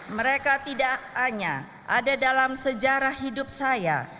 mereka tidak hanya ada dalam sejarah hidup saya